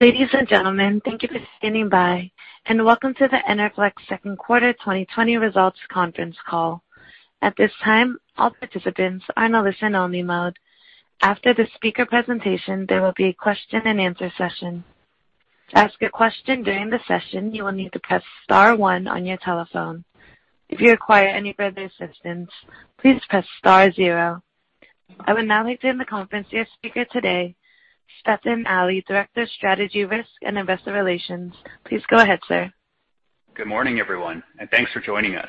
Ladies and gentlemen, thank you for standing by, and welcome to the Enerflex second quarter 2020 results conference call. At this time, all participants are in listen-only mode. After the speaker presentation, there will be a question and answer session. I would now like to hand the conference to your speaker today, Stefan Ali, Director Strategy, Risk, and Investor Relations. Please go ahead, sir. Good morning, everyone, and thanks for joining us.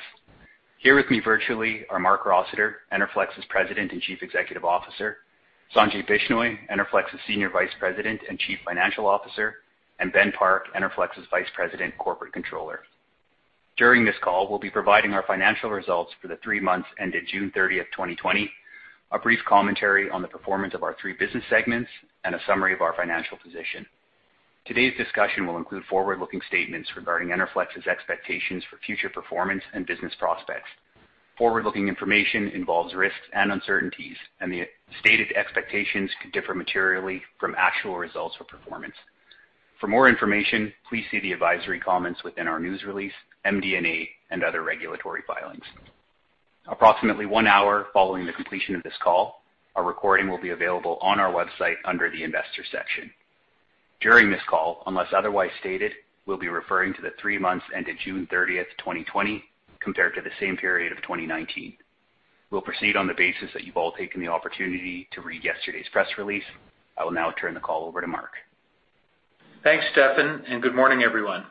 Here with me virtually are Marc Rossiter, Enerflex's President and Chief Executive Officer, Sanjay Bishnoi, Enerflex's Senior Vice President and Chief Financial Officer, and Ben Park, Enerflex's Vice President, Corporate Controller. During this call, we'll be providing our financial results for the three months ended June 30, 2020, a brief commentary on the performance of our three business segments, and a summary of our financial position. Today's discussion will include forward-looking statements regarding Enerflex's expectations for future performance and business prospects. Forward-looking information involves risks and uncertainties, and the stated expectations could differ materially from actual results or performance. For more information, please see the advisory comments within our news release, MD&A, and other regulatory filings. Approximately one hour following the completion of this call, a recording will be available on our website under the investor section. During this call, unless otherwise stated, we'll be referring to the three months ended June 30th, 2020, compared to the same period of 2019. We'll proceed on the basis that you've all taken the opportunity to read yesterday's press release. I will now turn the call over to Marc. Thanks, Stefan. Good morning, everyone.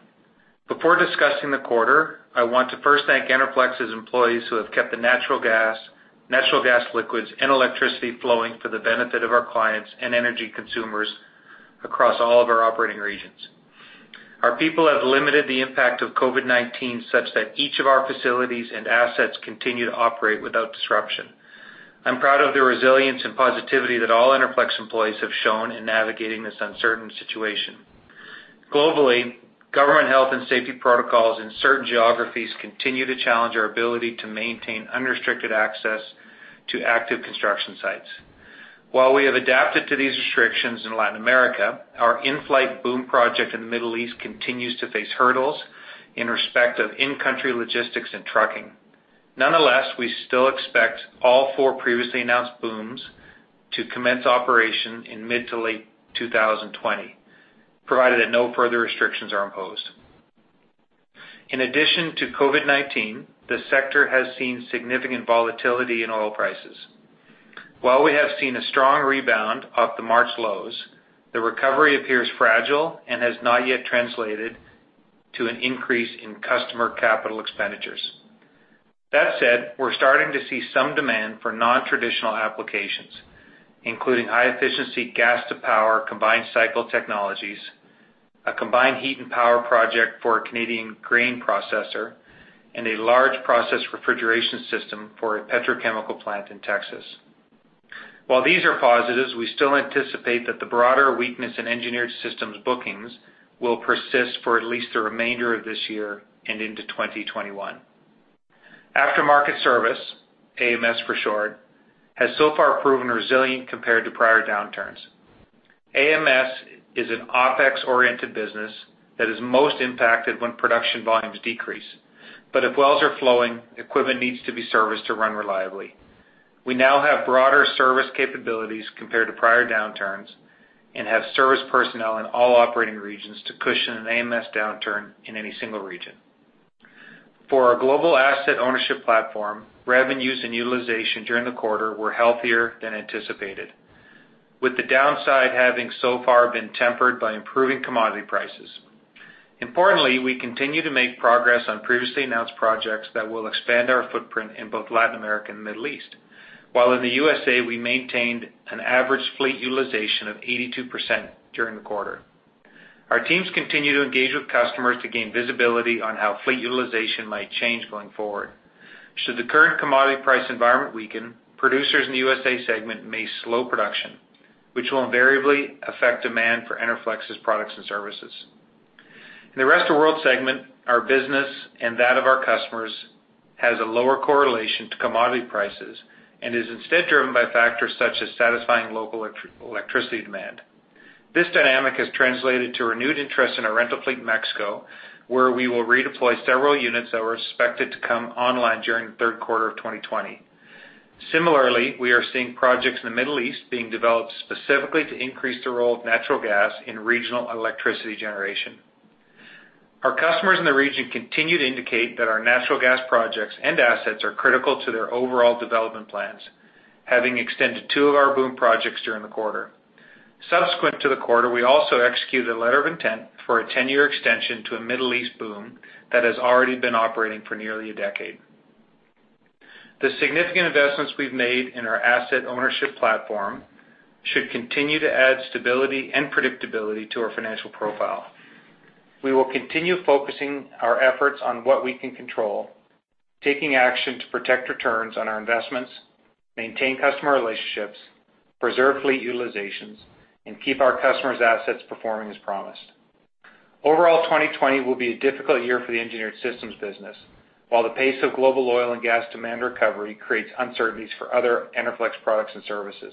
Before discussing the quarter, I want to first thank Enerflex's employees who have kept the natural gas, natural gas liquids, and electricity flowing for the benefit of our clients and energy consumers across all of our operating regions. Our people have limited the impact of COVID-19 such that each of our facilities and assets continue to operate without disruption. I'm proud of the resilience and positivity that all Enerflex employees have shown in navigating this uncertain situation. Globally, government health and safety protocols in certain geographies continue to challenge our ability to maintain unrestricted access to active construction sites. While we have adapted to these restrictions in Latin America, our in-flight BOOM project in the Middle East continues to face hurdles in respect of in-country logistics and trucking. Nonetheless, we still expect all four previously announced BOOMs to commence operation in mid-to-late 2020, provided that no further restrictions are imposed. In addition to COVID-19, the sector has seen significant volatility in oil prices. We have seen a strong rebound off the March lows, the recovery appears fragile and has not yet translated to an increase in customer capital expenditures. That said, we're starting to see some demand for non-traditional applications, including high-efficiency gas to power combined cycle technologies, a combined heat and power project for a Canadian grain processor, and a large process refrigeration system for a petrochemical plant in Texas. These are positives, we still anticipate that the broader weakness in Engineered Systems bookings will persist for at least the remainder of this year and into 2021. Aftermarket Services, AMS for short, has so far proven resilient compared to prior downturns. AMS is an OpEx-oriented business that is most impacted when production volumes decrease. If wells are flowing, equipment needs to be serviced to run reliably. We now have broader service capabilities compared to prior downturns and have service personnel in all operating regions to cushion an AMS downturn in any single region. For our global asset ownership platform, revenues and utilization during the quarter were healthier than anticipated, with the downside having so far been tempered by improving commodity prices. Importantly, we continue to make progress on previously announced projects that will expand our footprint in both Latin America and the Middle East. While in the U.S.A., we maintained an average fleet utilization of 82% during the quarter. Our teams continue to engage with customers to gain visibility on how fleet utilization might change going forward. Should the current commodity price environment weaken, producers in the U.S.A. segment may slow production, which will invariably affect demand for Enerflex's products and services. In the Rest of World segment, our business and that of our customers has a lower correlation to commodity prices and is instead driven by factors such as satisfying local electricity demand. This dynamic has translated to renewed interest in our rental fleet in Mexico, where we will redeploy several units that were expected to come online during the third quarter of 2020. Similarly, we are seeing projects in the Middle East being developed specifically to increase the role of natural gas in regional electricity generation. Our customers in the region continue to indicate that our natural gas projects and assets are critical to their overall development plans, having extended two of our BOOM projects during the quarter. Subsequent to the quarter, we also executed a letter of intent for a 10-year extension to a Middle East BOOM that has already been operating for nearly a decade. The significant investments we've made in our asset ownership platform should continue to add stability and predictability to our financial profile. We will continue focusing our efforts on what we can control, taking action to protect returns on our investments, maintain customer relationships, preserve fleet utilizations, and keep our customers' assets performing as promised. Overall, 2020 will be a difficult year for the Engineered Systems business, while the pace of global oil and gas demand recovery creates uncertainties for other Enerflex products and services.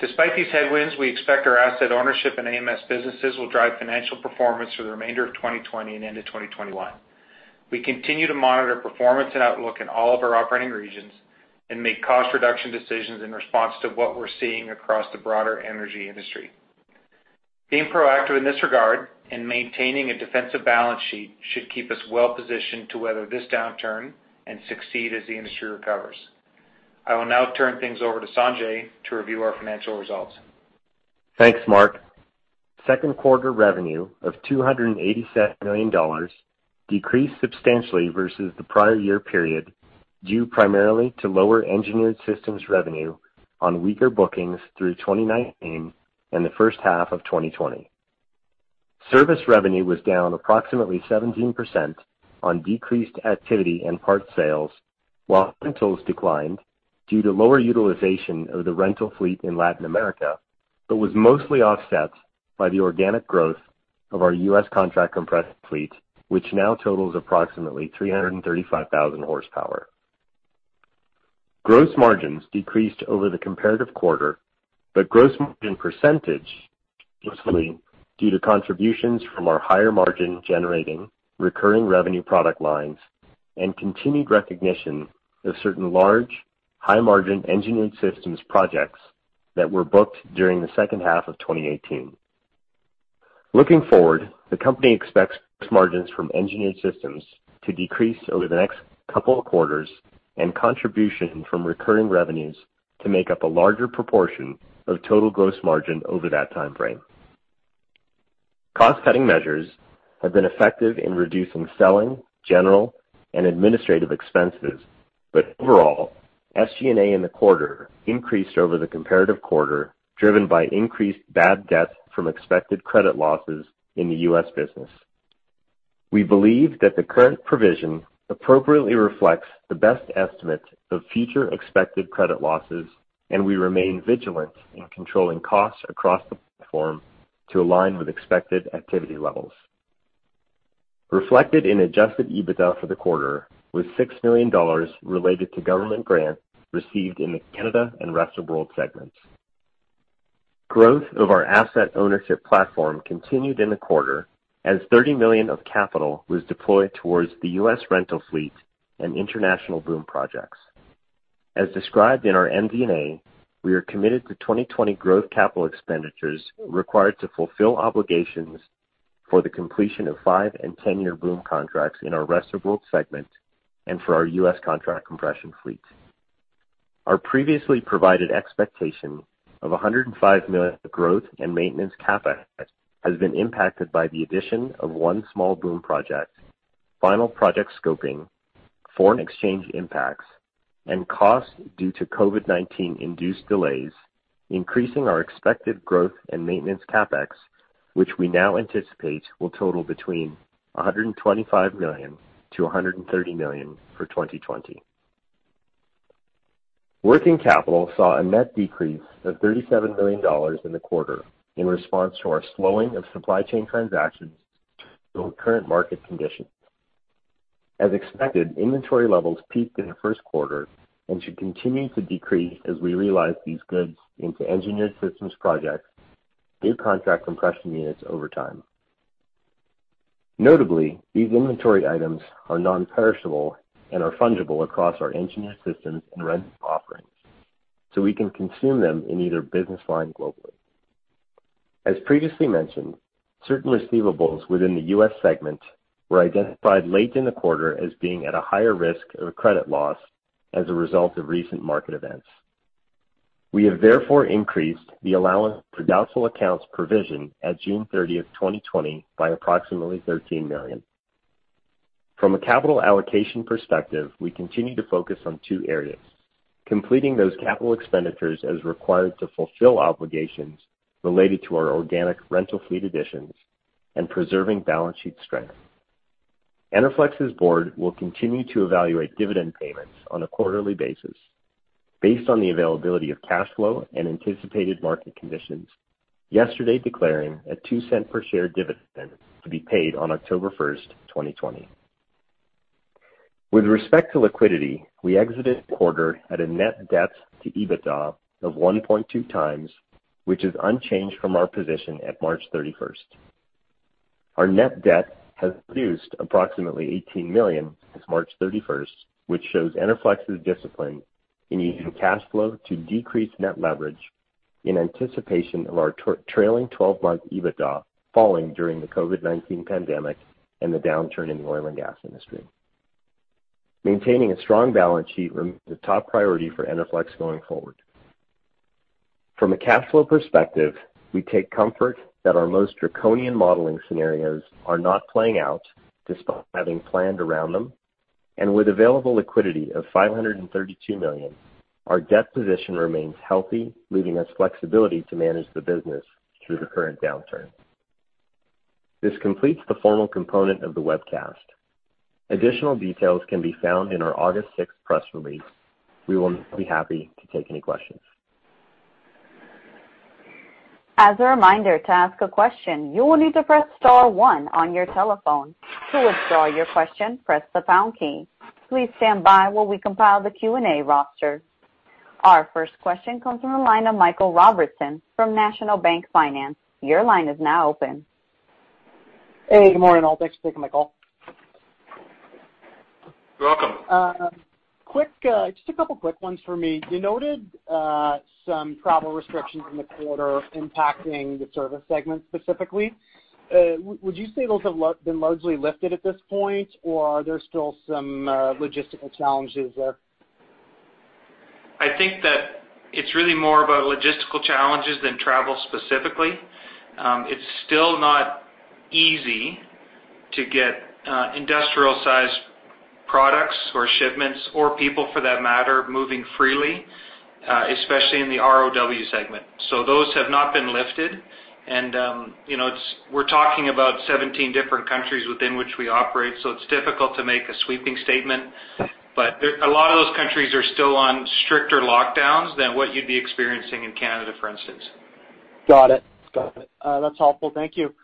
Despite these headwinds, we expect our asset ownership and AMS businesses will drive financial performance for the remainder of 2020 and into 2021. We continue to monitor performance and outlook in all of our operating regions and make cost reduction decisions in response to what we're seeing across the broader energy industry. Being proactive in this regard and maintaining a defensive balance sheet should keep us well positioned to weather this downturn and succeed as the industry recovers. I will now turn things over to Sanjay to review our financial results. Thanks, Marc. Second quarter revenue of 287 million dollars decreased substantially versus the prior year period, due primarily to lower Engineered Systems revenue on weaker bookings through 2019 and the first half of 2020. Service revenue was down approximately 17% on decreased activity and part sales, while rentals declined due to lower utilization of the rental fleet in Latin America, but was mostly offset by the organic growth of our U.S. contract compression fleet, which now totals approximately 335,000 hp. Gross margins decreased over the comparative quarter, but gross margin percentage mostly due to contributions from our higher margin generating recurring revenue product lines and continued recognition of certain large, high margin Engineered Systems projects that were booked during the second half of 2018. Looking forward, the company expects gross margins from Engineered Systems to decrease over the next couple of quarters and contribution from recurring revenues to make up a larger proportion of total gross margin over that timeframe. Overall, SG&A in the quarter increased over the comparative quarter, driven by increased bad debt from expected credit losses in the U.S. business. We believe that the current provision appropriately reflects the best estimate of future expected credit losses, and we remain vigilant in controlling costs across the platform to align with expected activity levels. Reflected in Adjusted EBITDA for the quarter was 6 million dollars related to government grants received in the Canada and Rest of World segments. Growth of our asset ownership platform continued in the quarter as CAD 30 million of capital was deployed towards the U.S. rental fleet and international BOOM projects. As described in our MD&A, we are committed to 2020 growth capital expenditures required to fulfill obligations for the completion of five and 10-year BOOM contracts in our Rest of World segment and for our U.S. contract compression fleet. Our previously provided expectation of 105 million of growth and maintenance CapEx has been impacted by the addition of one small BOOM project, final project scoping, foreign exchange impacts, and costs due to COVID-19-induced delays, increasing our expected growth and maintenance CapEx, which we now anticipate will total between 125 million-130 million for 2020. Working capital saw a net decrease of 37 million dollars in the quarter in response to our slowing of supply chain transactions due to current market conditions. As expected, inventory levels peaked in the first quarter and should continue to decrease as we realize these goods into Engineered Systems projects, new contract compression units over time. Notably, these inventory items are non-perishable and are fungible across our Engineered Systems and rental offerings. We can consume them in either business line globally. As previously mentioned, certain receivables within the U.S. segment were identified late in the quarter as being at a higher risk of credit loss as a result of recent market events. We have therefore increased the allowance for doubtful accounts provision at June 30th, 2020 by approximately 13 million. From a capital allocation perspective, we continue to focus on two areas, completing those capital expenditures as required to fulfill obligations related to our organic rental fleet additions and preserving balance sheet strength. Enerflex's board will continue to evaluate dividend payments on a quarterly basis based on the availability of cash flow and anticipated market conditions, yesterday declaring a 0.02 per share dividend to be paid on October 1st, 2020. With respect to liquidity, we exited the quarter at a net debt to EBITDA of 1.2x, which is unchanged from our position at March 31st. Our net debt has reduced approximately 18 million since March 31st, which shows Enerflex's discipline in using cash flow to decrease net leverage in anticipation of our trailing 12 month EBITDA falling during the COVID-19 pandemic and the downturn in the oil and gas industry. Maintaining a strong balance sheet remains the top priority for Enerflex going forward. From a cash flow perspective, we take comfort that our most draconian modeling scenarios are not playing out despite having planned around them. With available liquidity of 532 million, our debt position remains healthy, leaving us flexibility to manage the business through the current downturn. This completes the formal component of the webcast. Additional details can be found in our August 6th press release. We will now be happy to take any questions. As a reminder, to ask a question, you will need to press star one on your telephone. To withdraw your question, press the pound key. Please stand by while we compile the Q&A roster. Our first question comes from the line of Michael Robertson from National Bank Financial. Your line is now open. Hey, good morning, all. Thanks for taking my call. You're welcome. Just a couple quick ones for me. You noted some travel restrictions in the quarter impacting the service segment specifically. Would you say those have been largely lifted at this point, or are there still some logistical challenges there? I think that it's really more about logistical challenges than travel specifically. It's still not easy to get industrial-sized products or shipments or people, for that matter, moving freely, especially in the ROW segment. Those have not been lifted. We're talking about 17 different countries within which we operate, so it's difficult to make a sweeping statement. A lot of those countries are still on stricter lockdowns than what you'd be experiencing in Canada, for instance. Got it. That's helpful. Thank you.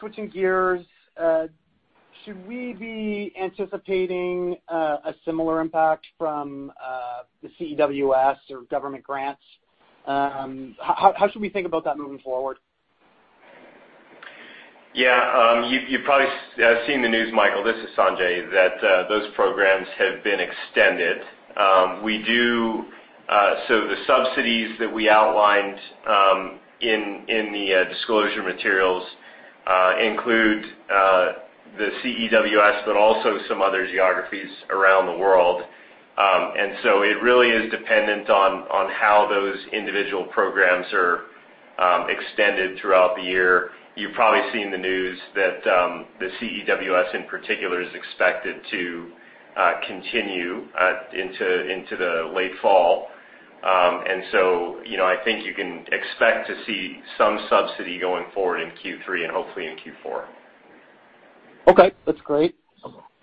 Switching gears, should we be anticipating a similar impact from the CEWS or government grants? How should we think about that moving forward? You've probably seen the news, Michael, this is Sanjay, that those programs have been extended. The subsidies that we outlined in the disclosure materials include the CEWS, but also some other geographies around the world. It really is dependent on how those individual programs are extended throughout the year. You've probably seen the news that the CEWS, in particular, is expected to continue into the late fall. I think you can expect to see some subsidy going forward in Q3 and hopefully in Q4. Okay. That's great.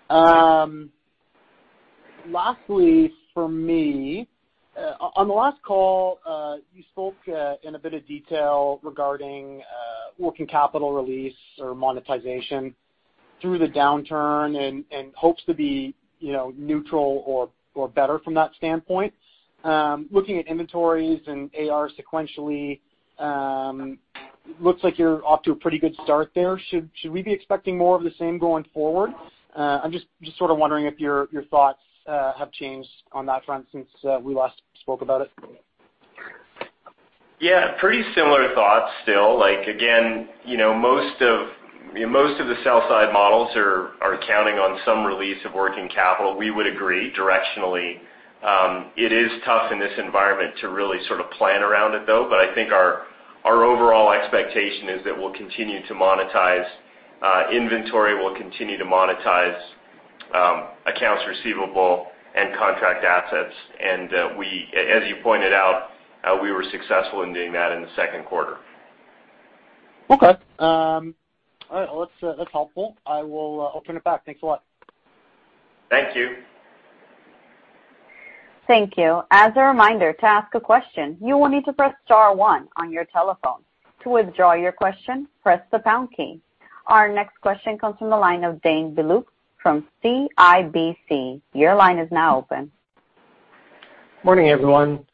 Lastly, from me, on the last call you spoke in a bit of detail regarding working capital release or monetization through the downturn and hopes to be neutral or better from that standpoint. Looking at inventories and AR sequentially, looks like you're off to a pretty good start there. Should we be expecting more of the same going forward? I'm just wondering if your thoughts have changed on that front since we last spoke about it. Pretty similar thoughts still. Most of the sell side models are counting on some release of working capital. We would agree directionally. It is tough in this environment to really plan around it, though. I think our overall expectation is that we'll continue to monetize inventory, we'll continue to monetize accounts receivable and contract assets. As you pointed out, we were successful in doing that in the second quarter. Okay. All right. Well, that's helpful. I'll turn it back. Thanks a lot. Thank you. Thank you. As a reminder, to ask a question, you will need to press star one on your telephone. To withdraw your question, press the pound key. Our next question comes from the line of Daine Biluk from CIBC. Your line is now open. Morning, everyone.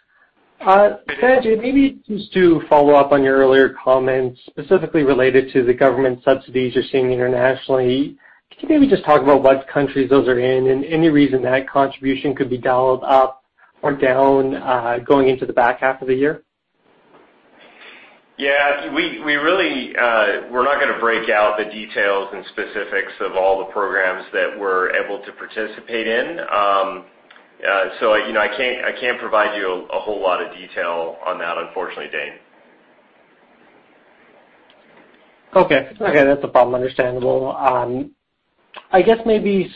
Sanjay, maybe just to follow up on your earlier comments, specifically related to the government subsidies you're seeing internationally, could you maybe just talk about what countries those are in and any reason that contribution could be dialed up or down going into the back half of the year? Yeah, we're not going to break out the details and specifics of all the programs that we're able to participate in. I can't provide you a whole lot of detail on that, unfortunately, Daine. Okay. That's no problem. Understandable. I guess maybe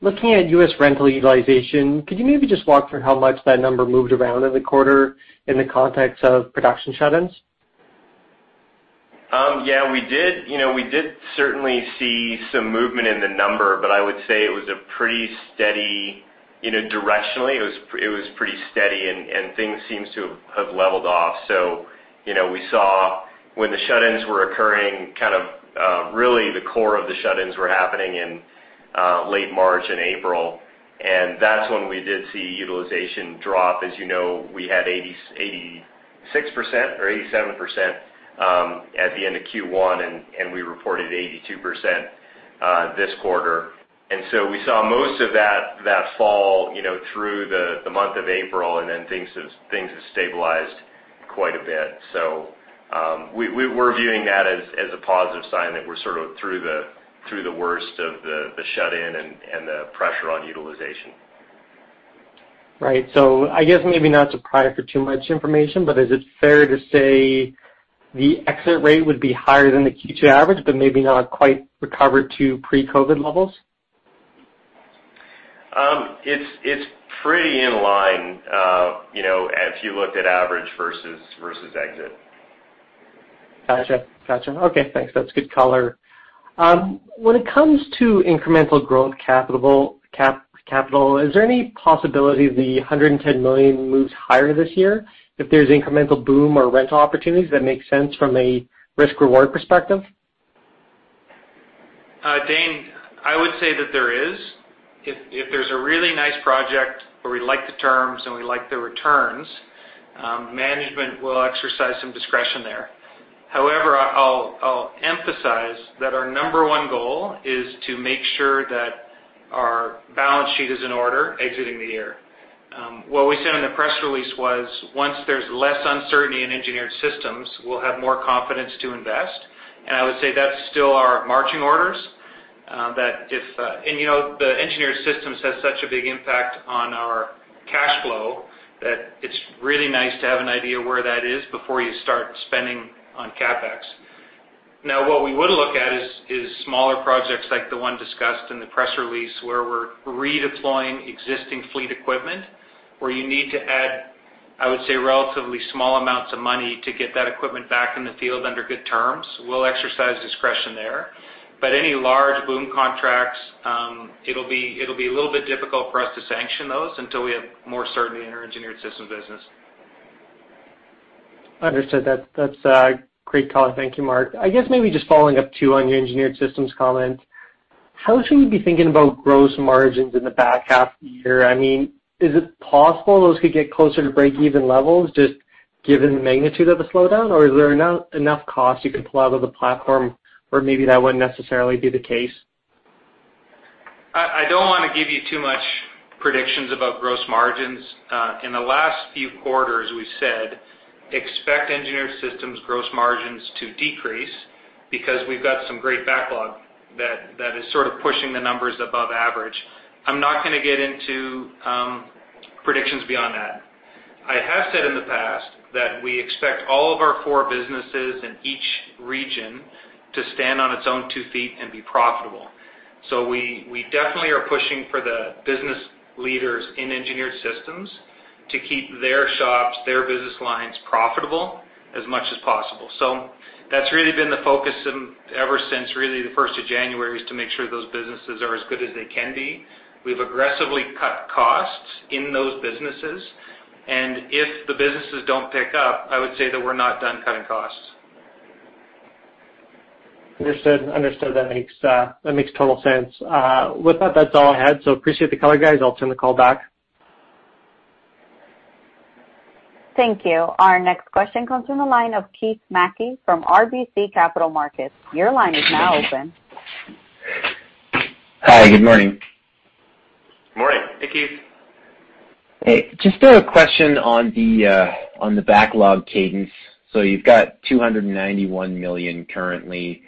looking at U.S. rental utilization, could you maybe just walk through how much that number moved around in the quarter in the context of production shut-ins? Yeah, we did certainly see some movement in the number. I would say directionally it was pretty steady. Things seem to have leveled off. We saw when the shut-ins were occurring, really the core of the shut-ins were happening in late March and April. That's when we did see utilization drop. As you know, we had 86% or 87% at the end of Q1. We reported 82% this quarter. We saw most of that fall through the month of April. Then things have stabilized quite a bit. We're viewing that as a positive sign that we're sort of through the worst of the shut-in and the pressure on utilization. Right. I guess maybe not surprised for too much information, but is it fair to say the exit rate would be higher than the Q2 average, but maybe not quite recovered to pre-COVID levels? It's pretty in line, if you looked at average versus exit. Gotcha. Okay, thanks. That's good color. When it comes to incremental growth capital, is there any possibility the 110 million moves higher this year if there's incremental BOOM or rental opportunities that make sense from a risk-reward perspective? Daine, I would say that there is. If there's a really nice project where we like the terms and we like the returns, management will exercise some discretion there. However, I'll emphasize that our number one goal is to make sure that our balance sheet is in order exiting the year. What we said in the press release was, once there's less uncertainty in Engineered Systems, we'll have more confidence to invest, and I would say that's still our marching orders. The Engineered Systems has such a big impact on our cash flow that it's really nice to have an idea where that is before you start spending on CapEx. What we would look at is smaller projects like the one discussed in the press release, where we're redeploying existing fleet equipment, where you need to add, I would say, relatively small amounts of money to get that equipment back in the field under good terms. We'll exercise discretion there. Any large BOOM contracts, it'll be a little bit difficult for us to sanction those until we have more certainty in our Engineered Systems business. Understood. That's great color. Thank you, Marc. I guess maybe just following up, too, on your Engineered Systems comment, how should we be thinking about gross margins in the back half of the year? Is it possible those could get closer to break-even levels, just given the magnitude of the slowdown, or is there enough cost you can pull out of the platform where maybe that wouldn't necessarily be the case? I don't want to give you too much predictions about gross margins. In the last few quarters, we've said, expect Engineered Systems gross margins to decrease because we've got some great backlog that is sort of pushing the numbers above average. I'm not going to get into predictions beyond that. I have said in the past that we expect all of our four businesses in each region to stand on its own two feet and be profitable. We definitely are pushing for the business leaders in Engineered Systems to keep their shops, their business lines profitable as much as possible. So that's really been the focus ever since really the first of January, is to make sure those businesses are as good as they can be. We've aggressively cut costs in those businesses, and if the businesses don't pick up, I would say that we're not done cutting costs. Understood. That makes total sense. With that's all I had. Appreciate the color, guys. I'll turn the call back. Thank you. Our next question comes from the line of Keith Mackey from RBC Capital Markets. Your line is now open. Hi, good morning. Morning. Hey, Keith. Hey, just a question on the backlog cadence. You've got 291 million currently.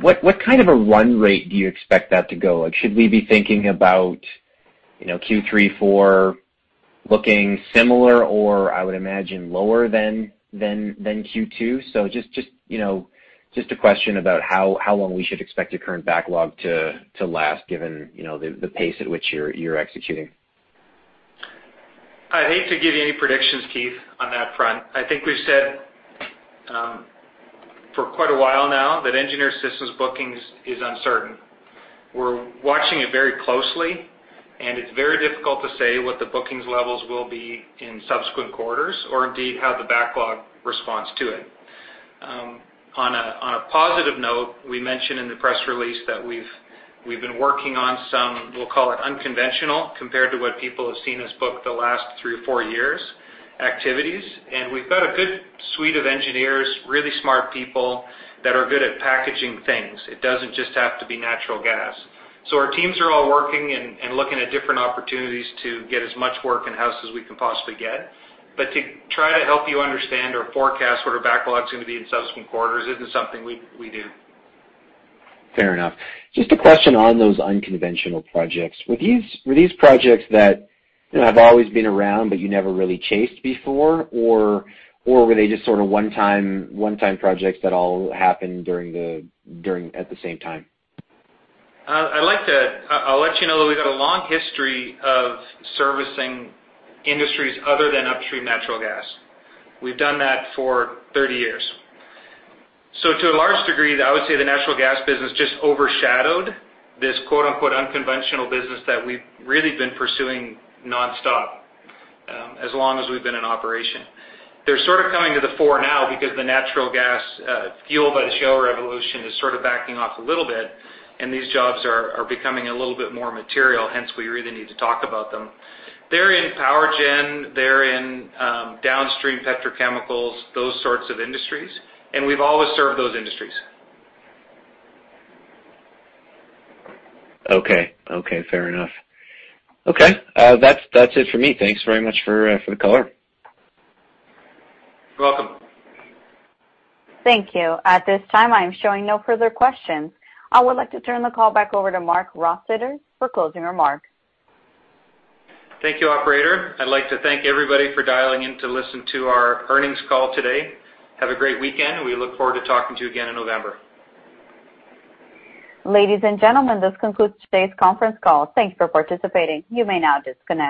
What kind of a run rate do you expect that to go? Should we be thinking about Q3, Q4 looking similar, or I would imagine lower than Q2? Just a question about how long we should expect your current backlog to last, given the pace at which you're executing. I'd hate to give you any predictions, Keith, on that front. I think we've said for quite a while now that Engineered Systems bookings is uncertain. We're watching it very closely, and it's very difficult to say what the bookings levels will be in subsequent quarters or indeed how the backlog responds to it. On a positive note, we mentioned in the press release that we've been working on some, we'll call it unconventional, compared to what people have seen us book the last three or four years, activities. We've got a good suite of engineers, really smart people that are good at packaging things. It doesn't just have to be natural gas. Our teams are all working and looking at different opportunities to get as much work in-house as we can possibly get. To try to help you understand or forecast what our backlog is going to be in subsequent quarters isn't something we do. Fair enough. Just a question on those unconventional projects. Were these projects that have always been around but you never really chased before, or were they just sort of one-time projects that all happened at the same time? I'll let you know that we've got a long history of servicing industries other than upstream natural gas. We've done that for 30 years. To a large degree, I would say the natural gas business just overshadowed this "unconventional business" that we've really been pursuing nonstop as long as we've been in operation. They're sort of coming to the fore now because the natural gas fuel by the shale revolution is sort of backing off a little bit, and these jobs are becoming a little bit more material. Hence, we really need to talk about them. They're in power gen, they're in downstream petrochemicals, those sorts of industries, and we've always served those industries. Okay. Fair enough. Okay. That's it for me. Thanks very much for the color. You're welcome. Thank you. At this time, I am showing no further questions. I would like to turn the call back over to Marc Rossiter for closing remarks. Thank you, operator. I'd like to thank everybody for dialing in to listen to our earnings call today. Have a great weekend. We look forward to talking to you again in November. Ladies and gentlemen, this concludes today's conference call. Thanks for participating. You may now disconnect.